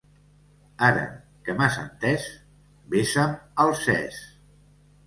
Ara que m'has entés, besa'm el ses.